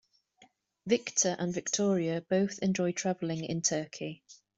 Victor and Victoria both enjoy traveling in Turkey.